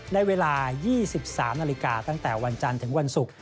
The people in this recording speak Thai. ในเวลา๒๓นาฬิกาตั้งแต่วันจันทร์ถึงวันศุกร์